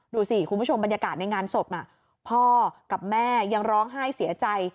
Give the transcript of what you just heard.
ดูสิคุณผู้ชมบรรยากาศในงานศพน่ะพ่อกับแม่ยังร้องไห้เสียใจ